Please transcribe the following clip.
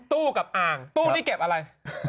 กับอ่างตู้นี้เก็บอะไร